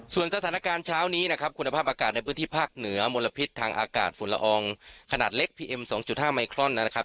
ส่วนสถานการณ์เช้านี้นะครับคุณภาพอากาศในพื้นที่ภาคเหนือมลพิษทางอากาศฝุ่นละอองขนาดเล็กพีเอ็ม๒๕ไมครอนนะครับ